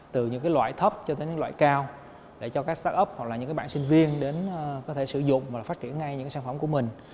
từ những cái loại thấp cho đến những loại cao để cho các start up hoặc là những cái bạn sinh viên đến có thể sử dụng và phát triển ngay những cái sản phẩm của mình